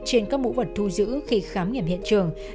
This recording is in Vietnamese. trên các mũ vật thu giữ khi khám nghiệm hiện trường